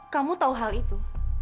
kamu tahu hal itu